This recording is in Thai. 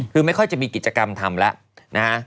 คือไม่ค่อยจะมีกิจกรรมทำแล้วนะฮะ